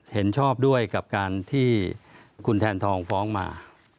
เห็นชอบด้วยกับการที่คุณแทนทองฟ้องมา